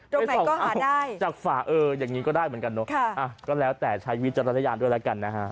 ตรงไหนก็หาได้จากฝาอย่างนี้ก็ได้เหมือนกันแล้วแต่ใช้วิจารณญาณด้วยแล้วกันนะฮะ